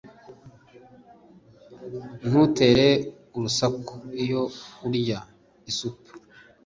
Ntutere urusaku iyo urya isupu